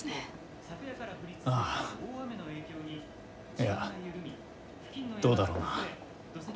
いやどうだろうな。